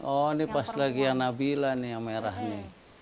oh ini pas lagi yang nabila nih yang merah nih